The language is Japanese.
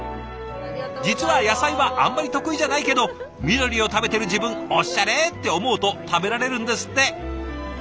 実は野菜はあんまり得意じゃないけど「緑を食べてる自分おっしゃれ！」って思うと食べられるんですって。